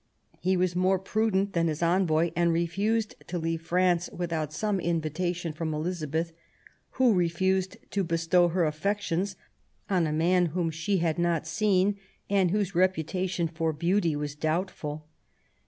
He was more prudent than his envoy, and refused to leave France without some invitation from Elizabeth, who refused to bestow her affections on a man whom she had not seen, and whose reputa tion for beauty was doubtful.